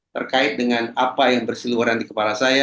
terkait dengan apa yang bersiluweran di kepala saya